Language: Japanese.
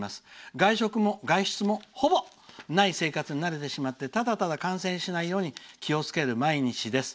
外食も外出もほぼない生活に慣れてしまってただただ感染しないように気をつける毎日です」。